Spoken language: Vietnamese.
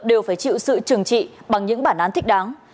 đều phải chịu sự trừng trị bằng những bản án thích đáng